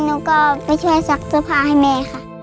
หนูก็ไปช่วยซักสภาให้แม่ค่ะ